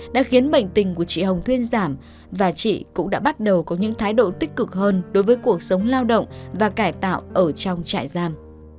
đã khiến bệnh tình của chị hồng thuyên giảm và chị cũng đã bắt đầu có những thái độ tích cực hơn đối với cuộc sống lao động và cải tạo ở trong trại giam